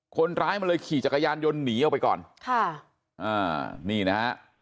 คนร้ายมันเลยขี่จักรยานยนต์หนีออกไปก่อนค่ะอ่านี่นะฮะ